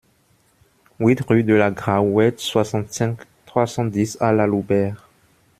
huit rue de la Graouette, soixante-cinq, trois cent dix à Laloubère